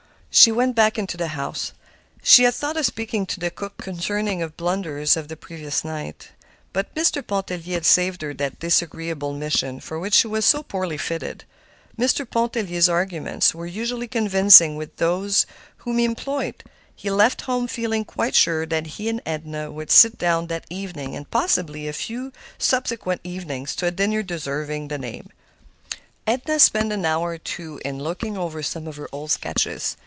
She went back into the house. She had thought of speaking to the cook concerning her blunders of the previous night; but Mr. Pontellier had saved her that disagreeable mission, for which she was so poorly fitted. Mr. Pontellier's arguments were usually convincing with those whom he employed. He left home feeling quite sure that he and Edna would sit down that evening, and possibly a few subsequent evenings, to a dinner deserving of the name. Edna spent an hour or two in looking over some of her old sketches.